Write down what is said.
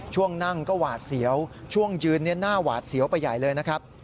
ช่วงนั่งก็หวาดเสียวช่วงยืนหน้าหวาดเสียวไปใหญ่เลยนะครับ